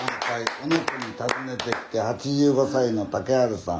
「小野家に訪ねて来て８５歳の竹春さん